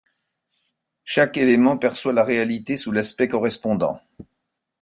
Chaque élément perçoit la réalité sous l’aspect correspondant.